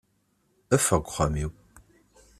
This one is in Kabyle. Ffeɣ seg uxxam-iw!